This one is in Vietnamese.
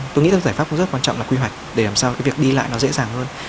tôi nghĩ rằng giải pháp cũng rất quan trọng là quy hoạch để làm sao cái việc đi lại nó dễ dàng hơn